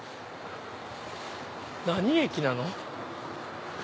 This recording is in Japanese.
何駅なの？